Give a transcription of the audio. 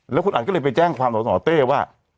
แล้วคุณอัดก็เลยไปแจ้งความสสเต้ว่า